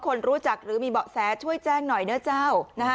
คนรู้จักหรือมีเบาะแสช่วยแจ้งหน่อยนะเจ้า